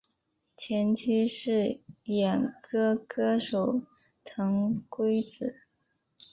前妻是演歌歌手藤圭子。